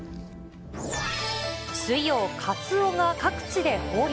水曜、カツオが各地で豊漁。